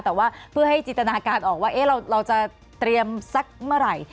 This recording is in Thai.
แต่ว่าเพื่อให้จินตนาการออกว่าเราจะเตรียมสักเมื่อไหร่